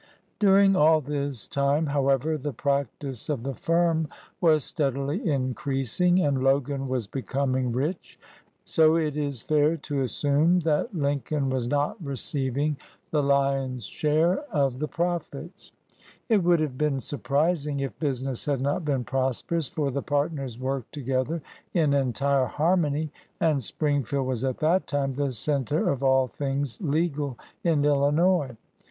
During all this time, however, the practice of the firm was steadily increasing and Logan was becoming rich; so it is fair to assume that Lin coln was not receiving the lion's share of the profits. It would have been surprising if business had not been prosperous, for the partners worked together in entire harmony, and Spring field was at that time the center of all things legal in Illinois.